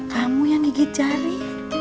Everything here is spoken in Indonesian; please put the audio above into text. kamu yang gigit jari